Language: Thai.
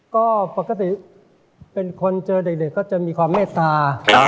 ก็ปกติเป็นคนเจอเด็กก็จะมีความเมตตา